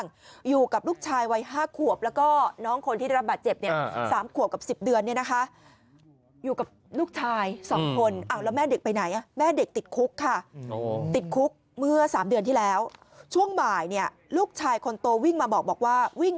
นูรู้ชื่ออะไรนะ